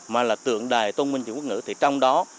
mà là tượng đài tôn minh chữ quốc ngữ thì trong đó